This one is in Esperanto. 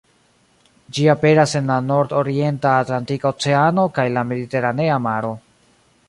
Ĝi aperas en la nord-orienta Atlantika Oceano kaj la Mediteranea Maro.